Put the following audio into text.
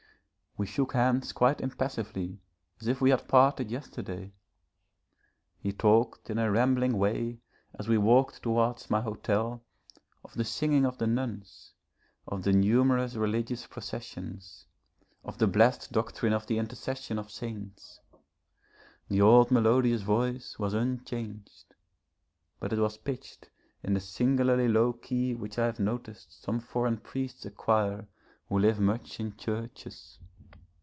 We shook hands quite impassively as if we had parted yesterday. He talked in a rambling way as we walked towards my hotel, of the singing of the nuns, of the numerous religious processions, of the blessed doctrine of the intercession of saints. The old melodious voice was unchanged, but it was pitched in the singularly low key which I have noticed some foreign priests acquire who live much in churches.